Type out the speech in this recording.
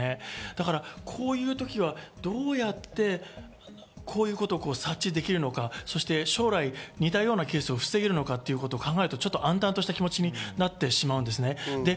こういうときはどうやってこういうことを察知できるのか、そして将来、似たようなケースを防げるのかと考えると暗たんとした気持ちになってしまいます。